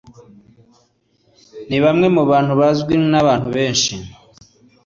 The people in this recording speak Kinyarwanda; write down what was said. ni bamwe mu bantu bazwi n'abantu benshi